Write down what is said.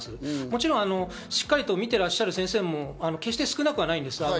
もちろんしっかり診ていらっしゃる先生も決して少なくはないです。